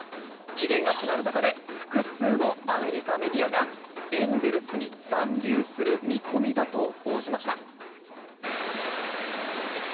期限が迫る中で複数のアメリカメディアがエンゼルスに残留する見込みだと報じました。